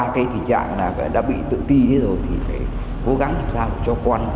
cái tình trạng là đã bị tự ti thế rồi thì phải cố gắng làm sao cho con